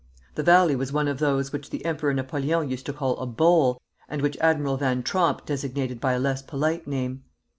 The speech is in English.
The valley was one of those which the Emperor Napoleon used to call a 'bowl,' and which Admiral Van Tromp designated by a less polite name.